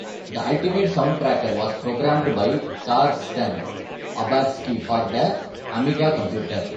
The Ultimate Soundtracker was programmed by Karsten Obarski for the Amiga computer.